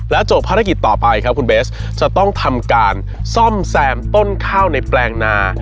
จบภารกิจต่อไปครับคุณเบสจะต้องทำการซ่อมแซมต้นข้าวในแปลงนา